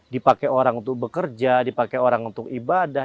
dipakai orang untuk bekerja dipakai orang untuk ibadah